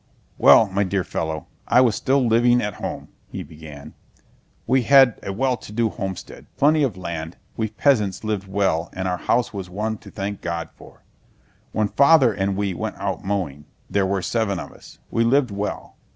"Well, my dear fellow, I was still living at home," he began. "We had a well to do homestead, plenty of land, we peasants lived well and our house was one to thank God for. When Father and we went out mowing there were seven of us. We lived well.